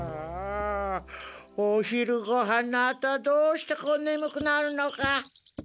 お昼ごはんのあとはどうしてこうねむくなるのか。